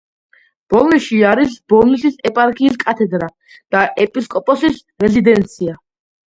ბოლნისში არის ბოლნისის ეპარქიის კათედრა და ეპისკოპოსის რეზიდენცია.